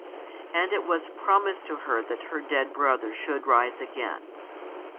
And it was promised to her that her dead brother should rise again.